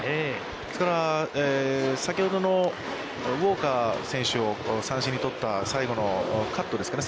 ですから、先ほどのウォーカー選手を三振に取った最後のカットですかね。